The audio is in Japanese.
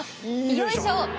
よいしょ！